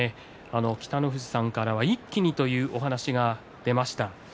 北の富士さんからは一気にというお話が出ました。